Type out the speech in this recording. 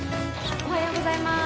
おはようございまーす！